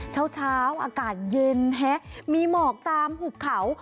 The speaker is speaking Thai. เช้าอากาศเย็นแฮะมีหมอกตามหุบเขา